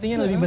iya betul pak